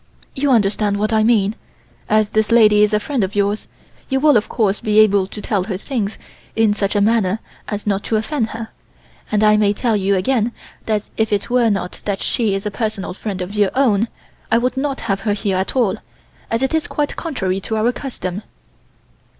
You understand what I mean. As this lady is a friend of yours, you will of course be able to tell her things in such a manner as not to offend her, and I may tell you again that if it were not that she is a personal friend of your own I would not have her here at all, as it is quite contrary to our custom."